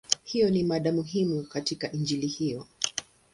Hiyo ni mada muhimu katika Injili hiyo.